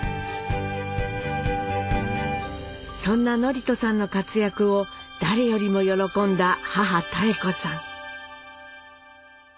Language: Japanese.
そんな智人さんの活躍を誰よりも喜んだ母・妙子さん。